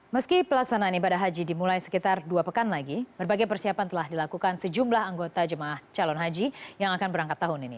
meski pelaksanaan ibadah haji dimulai sekitar dua pekan lagi berbagai persiapan telah dilakukan sejumlah anggota jemaah calon haji yang akan berangkat tahun ini